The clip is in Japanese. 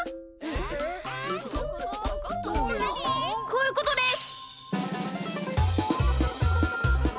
こういうことです！